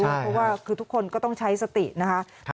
เพราะว่าคือทุกคนก็ต้องใช้สตินะคะ